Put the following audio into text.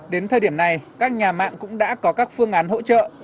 đến thời điểm này các nhà mạng cũng đã có các phương án hỗ trợ